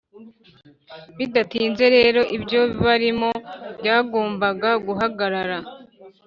bidatinze rero ibyo barimo byagombaga guhagarara